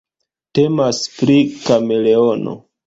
Temas pri kameleono.